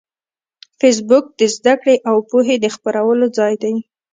فېسبوک د زده کړې او پوهې د خپرولو ځای دی